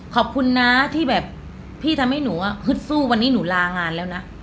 ขอบคุณนะที่แบบพี่ทำให้หนูฮึดสู้วันนี้หนูลางานแล้วนะ